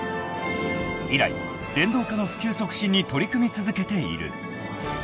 ［以来電動化の普及促進に取り組み続けている］